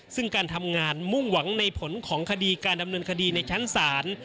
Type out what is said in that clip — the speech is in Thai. ซึ่งการทำงานมุ่งหวังในผลของคดีการดำเนินคดีในชั้นศาล